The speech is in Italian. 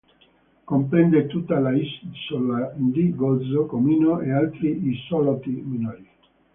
Comprende tutta l'isola di Gozo, Comino e altri isolotti minori.